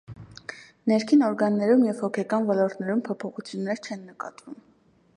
Ներքին օրգաններում և հոգեկան ոլորտում փոփոխություններ չեն նկատվում։